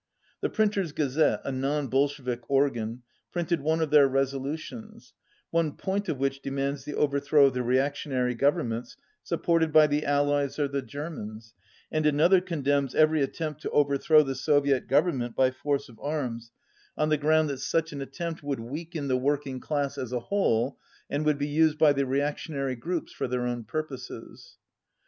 The Print ers' Gazette, a non Bolshevik organ, printed one of their resolutions, one point of which demands the overthrow of the reactionary governments sup ported by the Allies or the Germans, and another condemns every attempt to overthrow the Soviet Government by force of arms, on the ground that 207 such an attempt would weaken the working class as a whole and would be used by the reactionary groups for their own purposes.